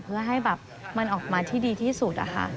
เพื่อให้แบบมันออกมาที่ดีที่สุด